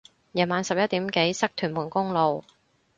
夜晚十一點幾塞屯門公路